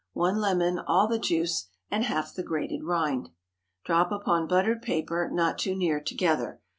1 lemon—all the juice, and half the grated rind. Drop upon buttered paper, not too near together.